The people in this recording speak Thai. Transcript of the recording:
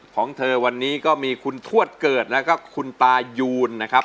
ของเธอวันนี้ก็มีคุณทวดเกิดแล้วก็คุณตายูนนะครับ